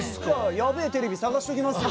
やべえテレビ探しときますよ。